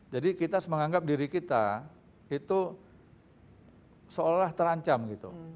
jadi kita menganggap diri kita itu seolah terancam gitu